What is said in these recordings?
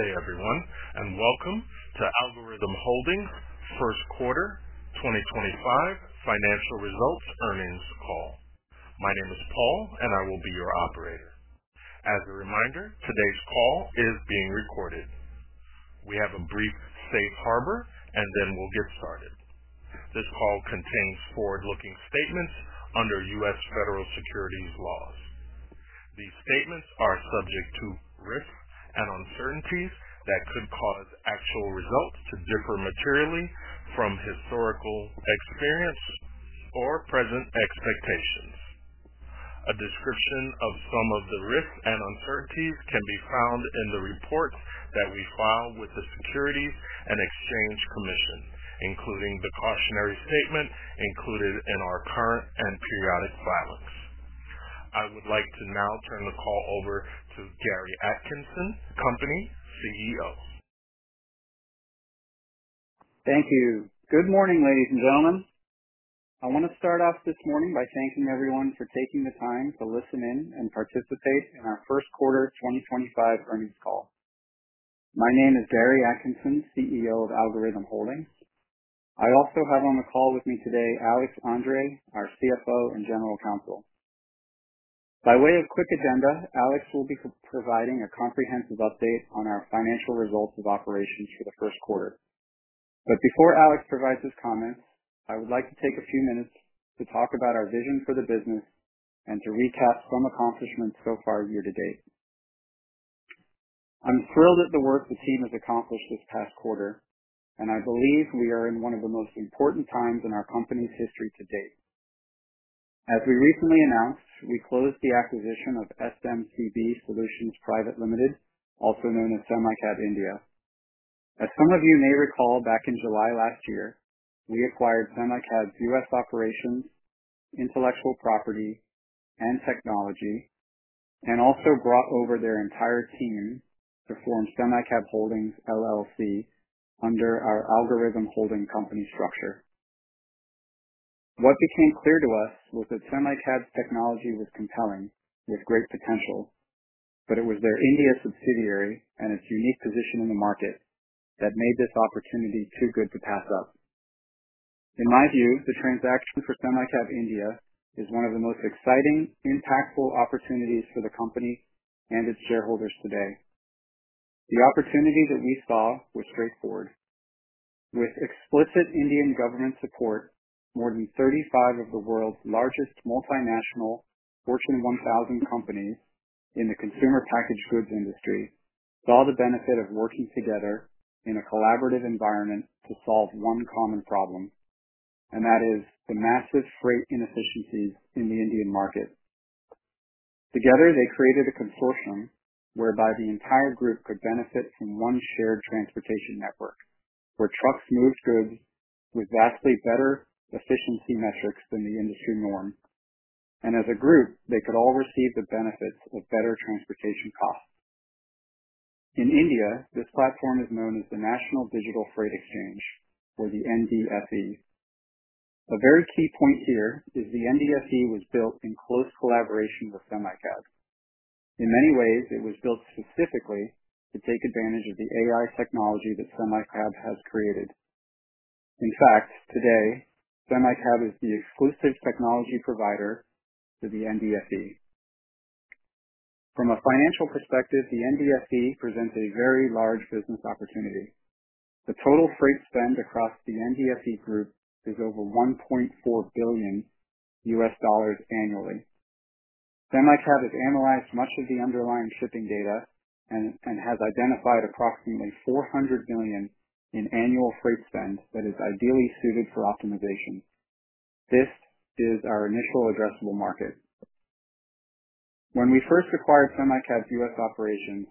Hey everyone, and welcome to Algorhythm Holdings' first quarter 2025 financial results earnings call. My name is Paul, and I will be your operator. As a reminder, today's call is being recorded. We have a brief safe harbor, and then we'll get started. This call contains forward-looking statements under U.S. federal securities laws. These statements are subject to risks and uncertainties that could cause actual results to differ materially from historical experience or present expectations. A description of some of the risks and uncertainties can be found in the reports that we file with the Securities and Exchange Commission, including the cautionary statement included in our current and periodic filings. I would like to now turn the call over to Gary Atkinson, CEO. Thank you. Good morning, ladies and gentlemen. I want to start off this morning by thanking everyone for taking the time to listen in and participate in our first quarter 2025 earnings call. My name is Gary Atkinson, CEO of Algorhythm Holdings. I also have on the call with me today Alex Andre, our CFO and General Counsel. By way of quick agenda, Alex will be providing a comprehensive update on our financial results of operations for the first quarter. Before Alex provides his comments, I would like to take a few minutes to talk about our vision for the business and to recap some accomplishments so far year to date. I'm thrilled at the work the team has accomplished this past quarter, and I believe we are in one of the most important times in our company's history to date. As we recently announced, we closed the acquisition of SMCB Solutions Private Ltd, also known as SemiCab India. As some of you may recall, back in July last year, we acquired SemiCab's U.S. operations, intellectual property, and technology, and also brought over their entire team to form SemiCab Holdings under our Algorhythm Holdings company structure. What became clear to us was that SemiCab's technology was compelling, with great potential, but it was their India subsidiary and its unique position in the market that made this opportunity too good to pass up. In my view, the transaction for SemiCab India is one of the most exciting, impactful opportunities for the company and its shareholders today. The opportunity that we saw was straightforward. With explicit Indian government support, more than 35 of the world's largest multinational Fortune 1000 companies in the consumer packaged goods industry saw the benefit of working together in a collaborative environment to solve one common problem, and that is the massive freight inefficiencies in the Indian market. Together, they created a consortium whereby the entire group could benefit from one shared transportation network where trucks moved goods with vastly better efficiency metrics than the industry norm, and as a group, they could all receive the benefits of better transportation costs. In India, this platform is known as the National Digital Freight Exchange, or the NDFE. A very key point here is the NDFE was built in close collaboration with SemiCab. In many ways, it was built specifically to take advantage of the AI technology that SemiCab has created. In fact, today, SemiCab is the exclusive technology provider to the NDFE. From a financial perspective, the NDFE presents a very large business opportunity. The total freight spend across the NDFE group is over $1.4 billion U.S. dollars annually. SemiCab has analyzed much of the underlying shipping data and has identified approximately $400 million in annual freight spend that is ideally suited for optimization. This is our initial addressable market. When we first acquired SemiCab's U.S. operations,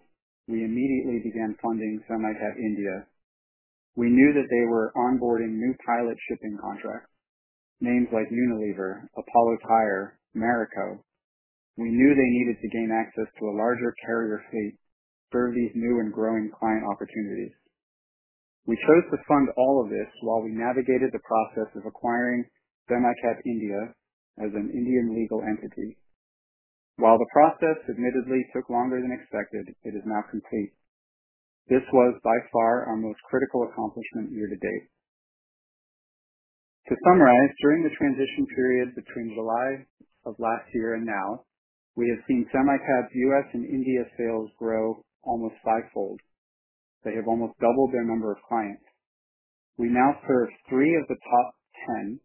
we immediately began funding SemiCab India. We knew that they were onboarding new pilot shipping contracts, names like Unilever, Apollo Tyres, Marico. We knew they needed to gain access to a larger carrier fleet to serve these new and growing client opportunities. We chose to fund all of this while we navigated the process of acquiring SemiCab India as an Indian legal entity. While the process admittedly took longer than expected, it is now complete. This was by far our most critical accomplishment year to date. To summarize, during the transition period between July of last year and now, we have seen SemiCab's U.S. and India sales grow almost fivefold. They have almost doubled their number of clients. We now serve three of the top 10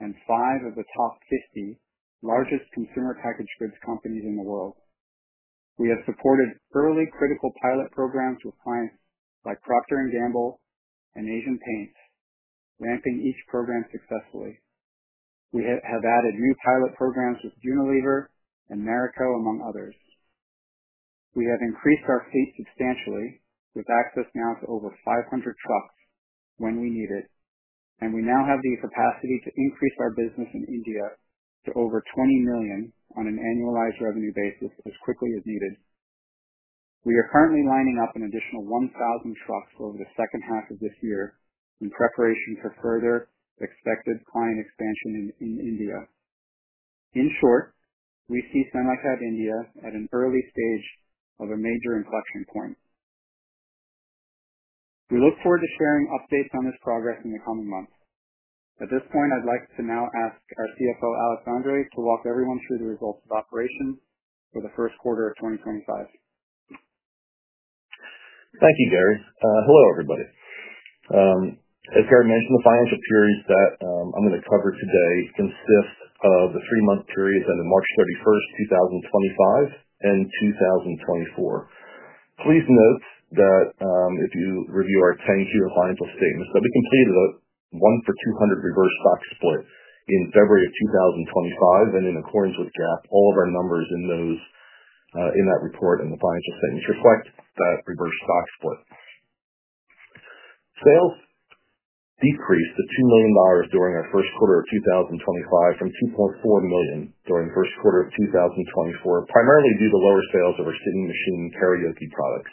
and five of the top 50 largest consumer packaged goods companies in the world. We have supported early critical pilot programs with clients like Procter & Gamble and Asian Paints, ramping each program successfully. We have added new pilot programs with Unilever and Marico, among others. We have increased our fleet substantially, with access now to over 500 trucks when we need it, and we now have the capacity to increase our business in India to over $20 million on an annualized revenue basis as quickly as needed. We are currently lining up an additional 1,000 trucks over the second half of this year in preparation for further expected client expansion in India. In short, we see SemiCab India at an early stage of a major inflection point. We look forward to sharing updates on this progress in the coming months. At this point, I'd like to now ask our CFO, Alex Andre, to walk everyone through the results of operations for the first quarter of 2025. Thank you, Gary. Hello, everybody. As Gary mentioned, the financial periods that I'm going to cover today consist of the three-month periods ending March 31, 2025, and 2024. Please note that if you review our 10-Q financial statements, that we completed a 1-for-200 reverse stock split in February 2025, and in accordance with GAAP, all of our numbers in that report and the financial statements reflect that reverse stock split. Sales decreased to $2 million during our first quarter of 2025 from $2.4 million during the first quarter of 2024, primarily due to lower sales of our Singing Machine karaoke products.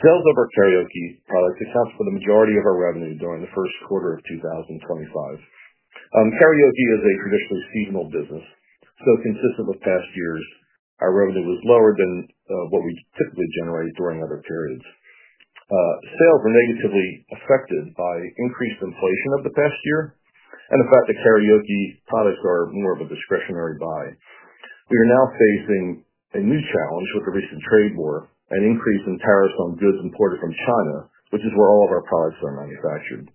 Sales of our karaoke products account for the majority of our revenue during the first quarter of 2025. Karaoke is a traditionally seasonal business, so consistent with past years, our revenue was lower than what we typically generate during other periods. Sales were negatively affected by increased inflation of the past year and the fact that karaoke products are more of a discretionary buy. We are now facing a new challenge with the recent trade war, an increase in tariffs on goods imported from China, which is where all of our products are manufactured.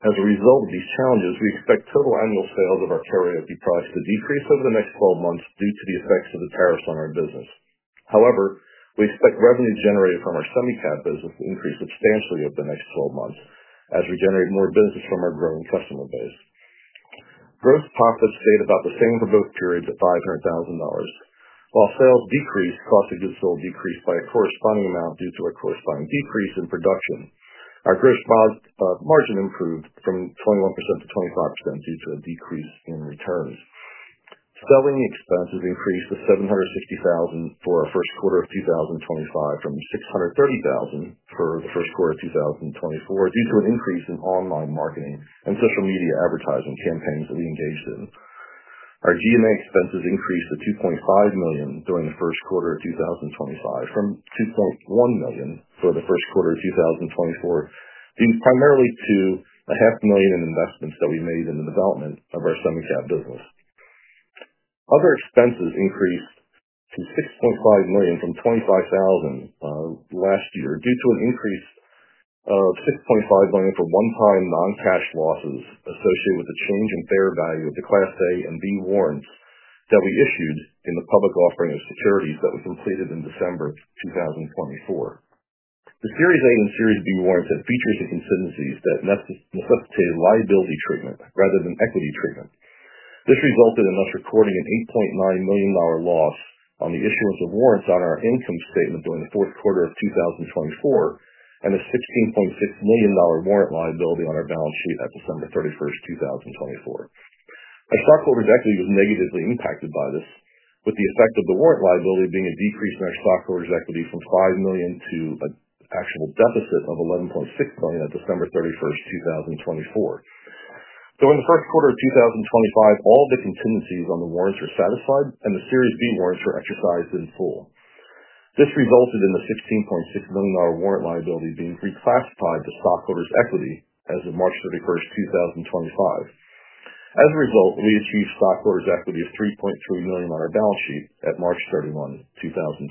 As a result of these challenges, we expect total annual sales of our karaoke products to decrease over the next 12 months due to the effects of the tariffs on our business. However, we expect revenue generated from our SemiCab business to increase substantially over the next 12 months as we generate more business from our growing customer base. Gross profits stayed about the same for both periods at $500,000. While sales decreased, cost of goods sold decreased by a corresponding amount due to a corresponding decrease in production. Our gross margin improved from 21% to 25% due to a decrease in returns. Selling expenses increased to $760,000 for our first quarter of 2025 from $630,000 for the first quarter of 2024 due to an increase in online marketing and social media advertising campaigns that we engaged in. Our G&A expenses increased to $2.5 million during the first quarter of 2025 from $2.1 million for the first quarter of 2024, due primarily to $500,000 in investments that we made in the development of our SemiCab business. Other expenses increased to $6.5 million from $25,000 last year due to an increase of $6.5 million for one-time non-cash losses associated with the change in fair value of the Class A and B warrants that we issued in the public offering of securities that we completed in December 2024. The Series A and Series B warrants had features and contingencies that necessitated liability treatment rather than equity treatment. This resulted in us recording an $8.9 million loss on the issuance of warrants on our income statement during the fourth quarter of 2024 and a $16.6 million warrant liability on our balance sheet at December 31, 2024. Our stockholders' equity was negatively impacted by this, with the effect of the warrant liability being a decrease in our stockholders' equity from $5 million to an actual deficit of $11.6 million at December 31, 2024. During the first quarter of 2025, all of the contingencies on the warrants were satisfied, and the Series B warrants were exercised in full. This resulted in the $16.6 million warrant liability being reclassified to stockholders' equity as of March 31, 2025. As a result, we achieved stockholders' equity of $3.3 million on our balance sheet at March 31st, 2025.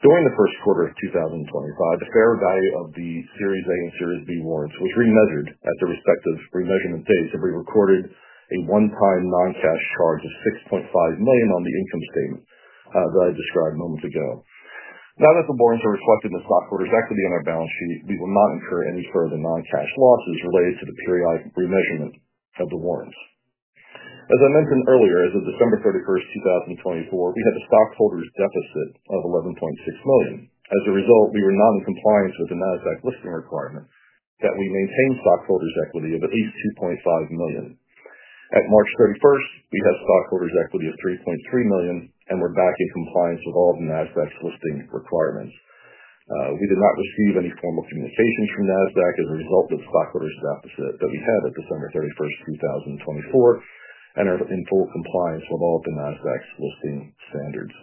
During the first quarter of 2025, the fair value of the Series A and Series B warrants was remeasured at their respective remeasurement dates, and we recorded a one-time non-cash charge of $6.5 million on the income statement that I described moments ago. Now that the warrants are reflected in the stockholders' equity on our balance sheet, we will not incur any further non-cash losses related to the periodic remeasurement of the warrants. As I mentioned earlier, as of December 31st, 2024, we had a stockholders' deficit of $11.6 million. As a result, we were not in compliance with the Nasdaq listing requirement that we maintain stockholders' equity of at least $2.5 million. At March 31, we had stockholders' equity of $3.3 million, and we're back in compliance with all of the Nasdaq's listing requirements. We did not receive any formal communications from Nasdaq as a result of the stockholders' deficit that we had at December 31, 2024, and are in full compliance with all of the Nasdaq's listing standards.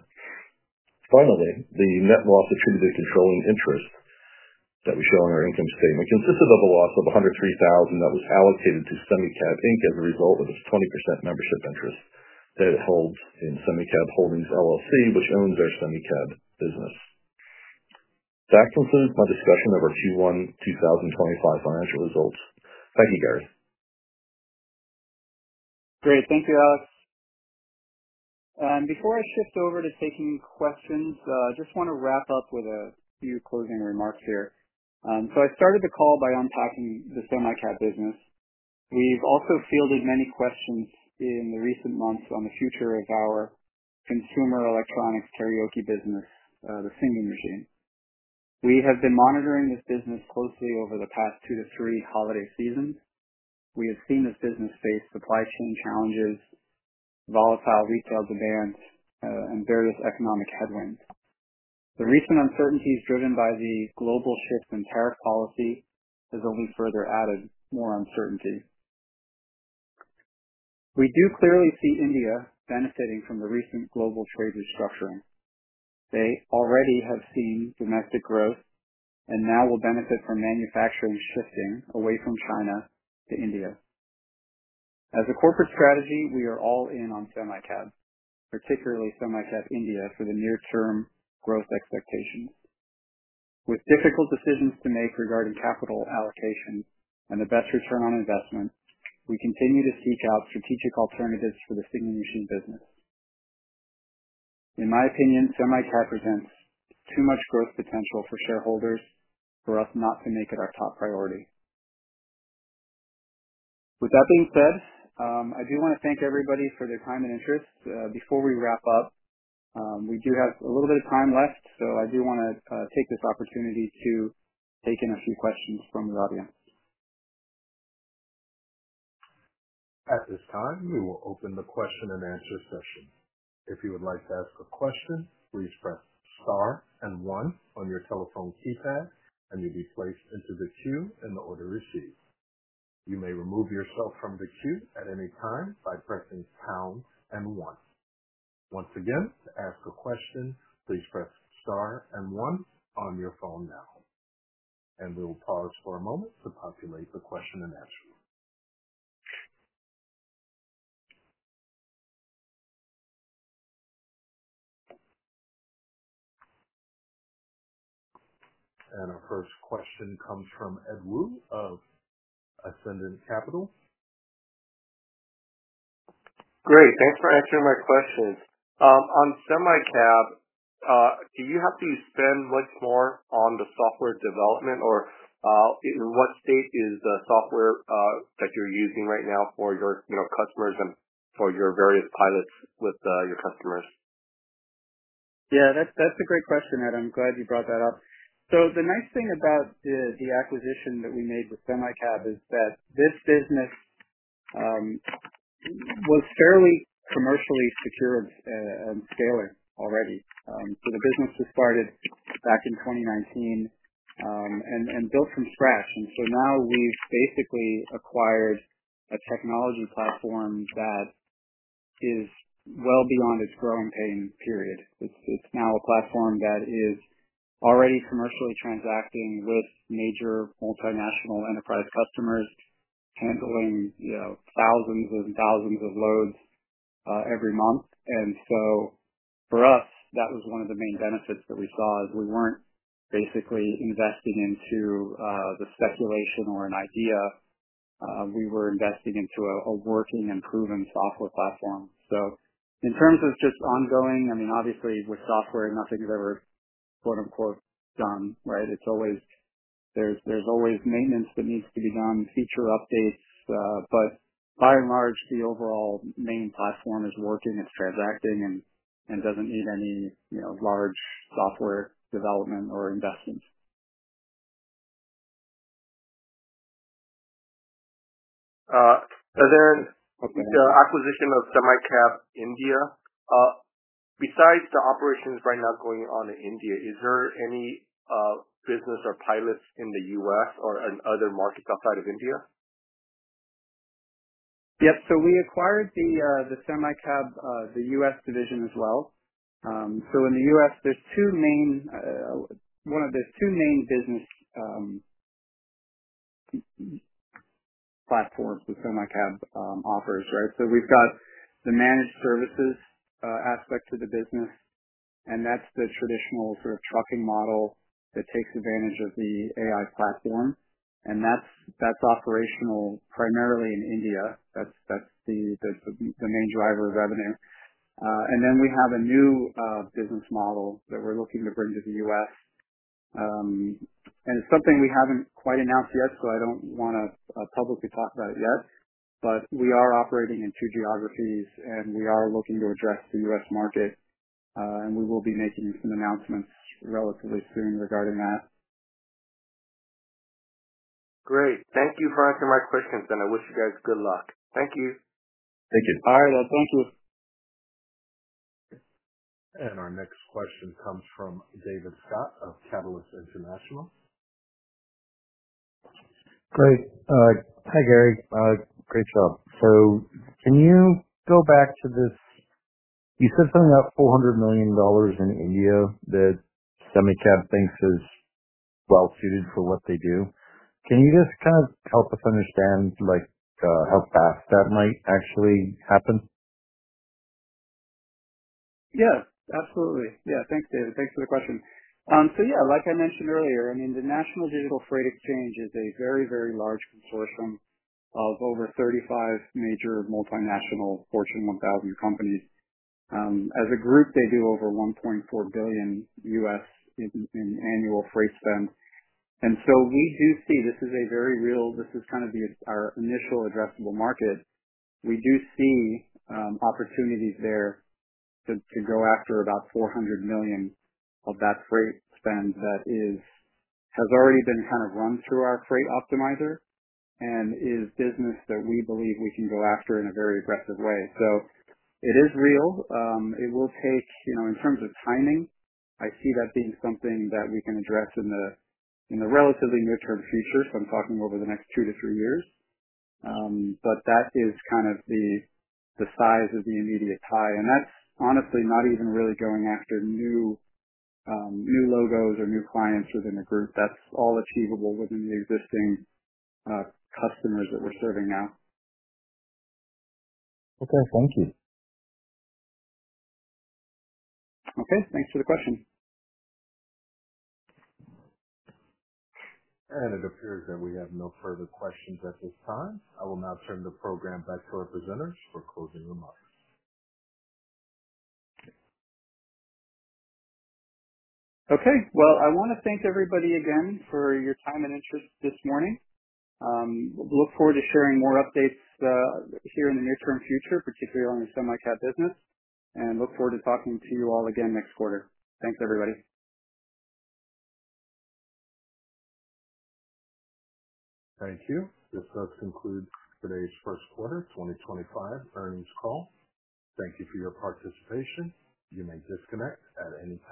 Finally, the net loss attributed to controlling interest that we show on our income statement consisted of a loss of $103,000 that was allocated to SemiCab India as a result of its 20% membership interest that it holds in SemiCab Holdings, which owns our SemiCab business. That concludes my discussion of our Q1 2025 financial results. Thank you, Gary. Great. Thank you, Alex. Before I shift over to taking questions, I just want to wrap up with a few closing remarks here. I started the call by unpacking the SemiCab business. We have also fielded many questions in the recent months on the future of our consumer electronics karaoke business, the Singing Machine. We have been monitoring this business closely over the past two to three holiday seasons. We have seen this business face supply chain challenges, volatile retail demands, and various economic headwinds. The recent uncertainties driven by the global shift in tariff policy have only further added more uncertainty. We do clearly see India benefiting from the recent global trade restructuring. They already have seen domestic growth and now will benefit from manufacturing shifting away from China to India. As a corporate strategy, we are all in on SemiCab, particularly SemiCab India, for the near-term growth expectations. With difficult decisions to make regarding capital allocation and the best return on investment, we continue to seek out strategic alternatives for the Singing Machine business. In my opinion, SemiCab presents too much growth potential for shareholders for us not to make it our top priority. With that being said, I do want to thank everybody for their time and interest. Before we wrap up, we do have a little bit of time left, so I do want to take this opportunity to take in a few questions from the audience. At this time, we will open the question and answer session. If you would like to ask a question, please press star and one on your telephone keypad, and you'll be placed into the queue in the order received. You may remove yourself from the queue at any time by pressing pound and one. Once again, to ask a question, please press star and one on your phone now. We will pause for a moment to populate the question and answer. Our first question comes from Ed Woo of Ascendiant Capital. Great. Thanks for answering my question. On SemiCab, do you have to spend much more on the software development, or in what state is the software that you're using right now for your customers and for your various pilots with your customers? Yeah, that's a great question, Ed. I'm glad you brought that up. The nice thing about the acquisition that we made with SemiCab is that this business was fairly commercially secure and scaling already. The business was started back in 2019 and built from scratch. Now we've basically acquired a technology platform that is well beyond its growing pain period. It's now a platform that is already commercially transacting with major multinational enterprise customers, handling thousands and thousands of loads every month. For us, that was one of the main benefits that we saw, as we weren't basically investing into the speculation or an idea. We were investing into a working and proven software platform. In terms of just ongoing, I mean, obviously with software, nothing's ever "done," right? There's always maintenance that needs to be done, feature updates, but by and large, the overall main platform is working. It's transacting and doesn't need any large software development or investment. The acquisition of SemiCab India. Besides the operations right now going on in India, is there any business or pilots in the U.S. or in other markets outside of India? Yep. We acquired the SemiCab, the U.S. division as well. In the U.S., there are two main business platforms that SemiCab offers, right? We have the managed services aspect to the business, and that's the traditional sort of trucking model that takes advantage of the AI platform. That is operational primarily in India. That is the main driver of revenue. We have a new business model that we are looking to bring to the U.S.. It is something we have not quite announced yet, so I do not want to publicly talk about it yet. We are operating in two geographies, and we are looking to address the U.S. market, and we will be making some announcements relatively soon regarding that. Great. Thank you for answering my questions, and I wish you guys good luck. Thank you. Thank you. All right. Thank you. Our next question comes from David Scott of Catalyst International. Great. Hi, Gary. Great job. Can you go back to this? You said something about $400 million in India that SemiCab thinks is well-suited for what they do. Can you just kind of help us understand how fast that might actually happen? Yeah, absolutely. Yeah. Thanks, David. Thanks for the question. Like I mentioned earlier, I mean, the National Digital Freight Exchange is a very, very large consortium of over 35 major multinational Fortune 1000 companies. As a group, they do over $1.4 billion in annual freight spend. We do see this is a very real—this is kind of our initial addressable market. We do see opportunities there to go after about $400 million of that freight spend that has already been kind of run through our freight optimizer and is business that we believe we can go after in a very aggressive way. It is real. It will take—in terms of timing, I see that being something that we can address in the relatively near-term future. I'm talking over the next two to three years. That is kind of the size of the immediate tie. That is honestly not even really going after new logos or new clients within the group. That is all achievable within the existing customers that we are serving now. Okay. Thank you. Okay. Thanks for the question. It appears that we have no further questions at this time. I will now turn the program back to our presenters for closing remarks. Okay. I want to thank everybody again for your time and interest this morning. Look forward to sharing more updates here in the near-term future, particularly on the SemiCab business, and look forward to talking to you all again next quarter. Thanks, everybody. Thank you. This does conclude today's first quarter 2025 earnings call. Thank you for your participation. You may disconnect at any time.